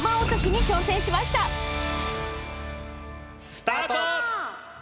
スタート！